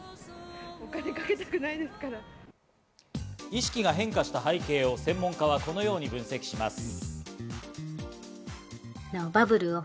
意識が変化した背景を専門家はこのように分析します。